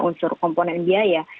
unsur komponen biaya